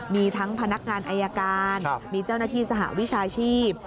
มีทั้งพนักงานอายการมีเจ้าหน้าที่สหวิชาชีพ